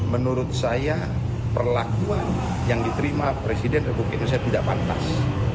menurut saya perlakuan yang diterima presiden republik indonesia tidak pantas